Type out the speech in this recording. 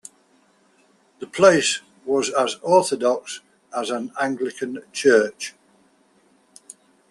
The place was as orthodox as an Anglican church.